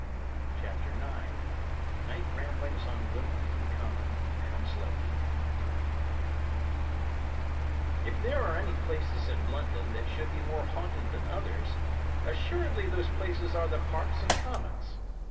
CHAPTER IX NIGHT RAMBLINGS ON WIMBLEDON COMMON AND HOUNSLOW HEATH If there are any places in London that should be more haunted than others, assuredly those places are the parks and commons.